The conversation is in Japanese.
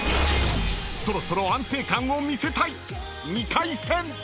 ［そろそろ安定感を見せたい］